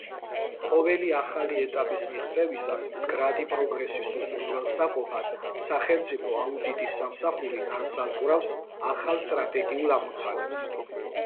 ყოველი ახალი ეტაპის მიღწევისას, მდგრადი პროგრესის უზრუნველსაყოფად, სახელმწიფო აუდიტის სამსახური განსაზღვრავს ახალ სტრატეგიულ ამოცანებს.